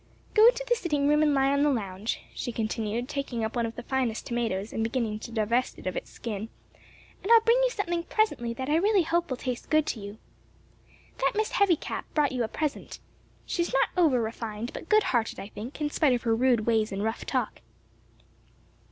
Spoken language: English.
"Go into the sitting room and lie down on the lounge," she continued taking up one of the finest tomatoes and beginning to divest it of its skin, "and I'll bring you something presently that I really hope will taste good to you. "That Miss Heavycap brought you a present. She's not over refined, but good hearted, I think, in spite of her rude ways and rough talk."